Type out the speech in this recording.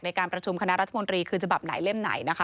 ในการประชุมคณะรัฐมนตรีคือฉบับไหนเล่มไหนนะคะ